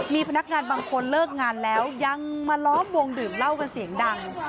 มีพนักงานบางคนเลิกงานแล้วยังมาล้อมวงดื่มเหล้ากันเสียงดัง